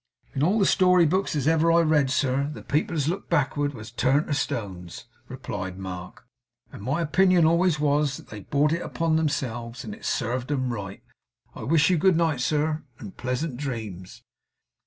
'In all the story books as ever I read, sir, the people as looked backward was turned into stones,' replied Mark; 'and my opinion always was, that they brought it on themselves, and it served 'em right. I wish you good night, sir, and pleasant dreams!